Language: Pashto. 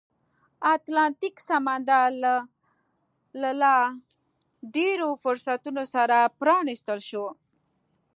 اتلانتیک سمندر له لا ډېرو فرصتونو سره پرانیستل شو.